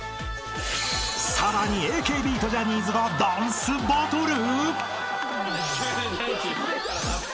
［さらにＡＫＢとジャニーズがダンスバトル！？］